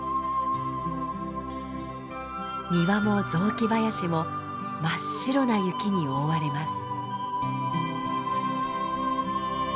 庭も雑木林も真っ白な雪に覆われます。